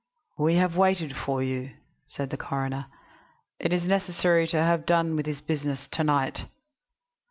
"We have waited for you," said the coroner. "It is necessary to have done with this business to night."